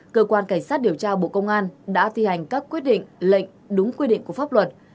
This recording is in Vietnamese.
cơ quan cảnh sát điều tra bộ công an đã thi hành các quyết định lệnh đúng quy định của pháp luật